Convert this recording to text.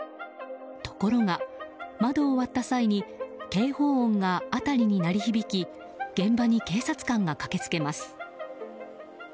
ところが、窓を割った際に警報音が辺りに鳴り響き現場に警察官が駆けつけます。